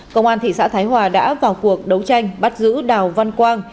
công an thị xã thái hòa đã vào cuộc đấu tranh bắt giữ đào văn quang